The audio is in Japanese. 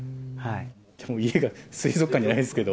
家が水族館じゃないですけど。